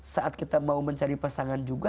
saat kita mau mencari pasangan juga